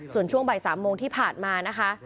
ส่วนช่วงบ่าย๓โมงที่ผ่านมานะคะ